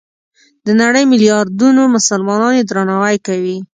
د نړۍ ملیاردونو مسلمانان یې درناوی کوي.